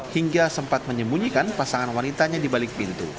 hingga sempat menyembunyikan pasangan wanitanya di balik pintu